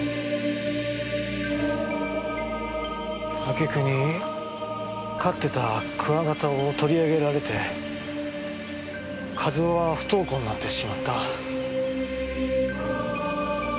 挙句に飼ってたクワガタを取り上げられて和夫は不登校になってしまった。